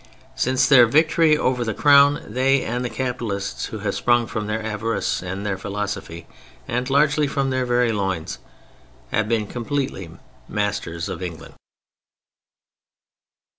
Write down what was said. Since their victory over the Crown, they and the capitalists, who have sprung from their avarice and their philosophy, and largely from their very loins, have been completely masters of England.